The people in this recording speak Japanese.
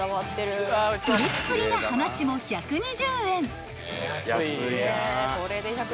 ［ぷりっぷりなはまちも１２０円］